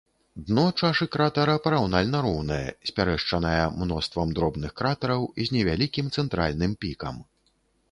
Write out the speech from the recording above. Дно чашы кратара параўнальна роўнае, спярэшчаная мноствам дробных кратараў, з невялікім цэнтральным пікам.